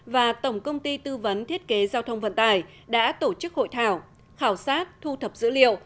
và tổng công ty tư vấn thiết kế giao thông vận tải đã tổ chức hội thảo khảo sát thu thập dữ liệu